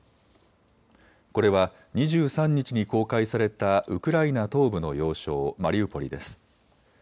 これは、２３日に公開されたウクライナ東部の要衝マリウポリです。